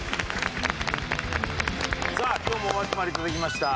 さあ今日もお集まりいただきました。